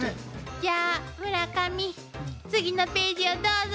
じゃあ村上次のページをどうぞ。